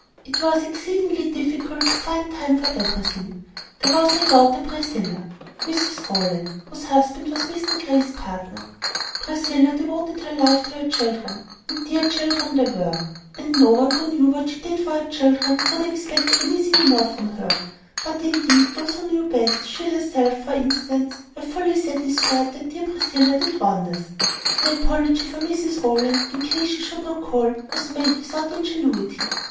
It was exceedingly difficult to find time for everything. There was her dear daughter, Priscilla (Mrs Rowland, whose husband was Mr Grey's partner); Priscilla devoted her life to her children (and dear children they were); and no one who knew what she did for her children would expect anything more from her; but, indeed, those who knew best, she herself, for instance, were fully satisfied that her dear Priscilla did wonders. The apology for Mrs Rowland, in case she should not call, was made not without ingenuity.